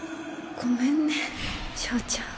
ごめんね祥ちゃん。